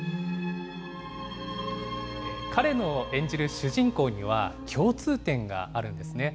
彼の演じる主人公には、共通点があるんですね。